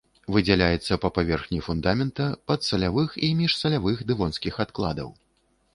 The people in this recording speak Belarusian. Выдзяляецца па паверхні фундамента, падсалявых і міжсалявых дэвонскіх адкладаў.